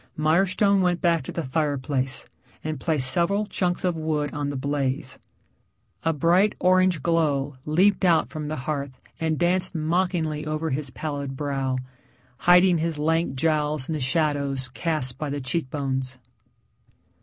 Mirestone went back to the fireplace and placed several chunks of wood on the blaze. A bright orange glow leaped out from the hearth and danced mockingly over his pallid brow, hiding his lank jowls in the shadows cast by the cheekbones.